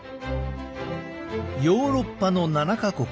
ヨーロッパの７か国